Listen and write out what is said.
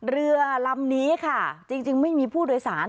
เรือลำนี้ค่ะจริงไม่มีผู้โดยสาร